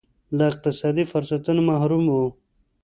له اقتصادي فرصتونو محروم وو.